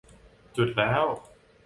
จุดแล้ว